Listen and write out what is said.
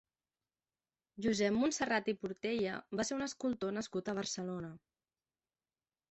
Josep Monserrat i Portella va ser un escultor nascut a Barcelona.